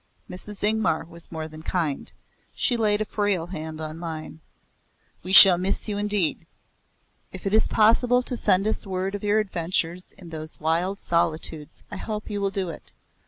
Mrs. Ingmar was more than kind. She laid a frail hand on mine. "We shall miss you indeed. If it is possible to send us word of your adventures in those wild solitudes I hope you will do it.